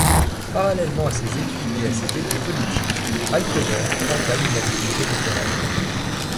Parallèlement à ses études et à ses débuts politiques, Alcover entame une activité littéraire.